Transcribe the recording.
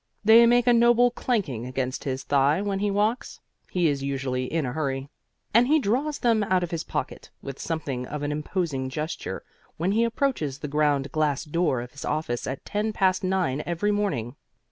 They make a noble clanking against his thigh when he walks (he is usually in a hurry), and he draws them out of his pocket with something of an imposing gesture when he approaches the ground glass door of his office at ten past nine every morning.